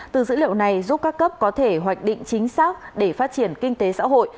từ dữ liệu này giúp các cấp có thể hoạch định chính xác để phát triển kinh tế xã hội